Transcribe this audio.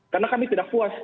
karena kami tidak puas